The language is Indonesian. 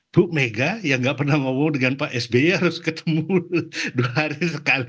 bu mega yang gak pernah ngomong dengan pak sby harus ketemu dua hari sekali